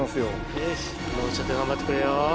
よしもうちょっと頑張ってくれよ。